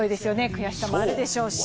悔しさもあるでしょうし。